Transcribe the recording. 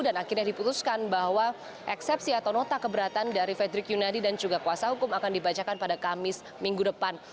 dan akhirnya diputuskan bahwa eksepsi atau nota keberatan dari fedrik yunadi dan juga kuasa hukum akan dibacakan pada kamis minggu depan